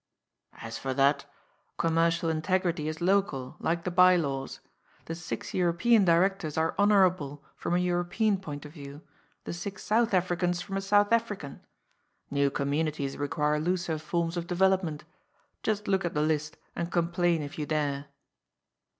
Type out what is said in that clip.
" As for that, commercial integrity is local, like the bye laws. The six European directors are honourable from a European point of view, the six South Africans from a South African. New communities require looser forms of development. Just look at the list, and complain, if you dare."